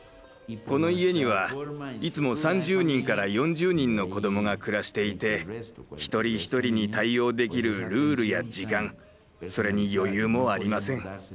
この家にはいつも３０人から４０人の子どもが暮らしていて一人一人に対応できるルールや時間それに余裕もありません。